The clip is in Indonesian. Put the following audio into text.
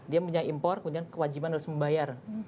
dia punya impor kemudian kewajiban harus membayar